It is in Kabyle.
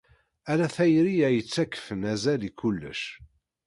Ala tayri ay yettakfen azal i kullec.